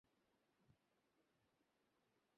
সে যাহাতে হাত দেয় তাহাই অতি সুকৌশলে করিতে পারে।